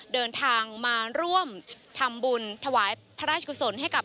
เดินทางมาร่วมทำบุญถวายพระราชกุศลให้กับ